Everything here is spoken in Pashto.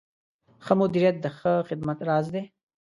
ښه مدیریت د ښه خدمت راز دی.